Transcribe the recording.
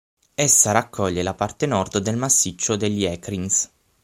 Essa raccoglie la parte nord del Massiccio degli Écrins.